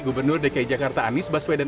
gubernur dki jakarta anies baswedan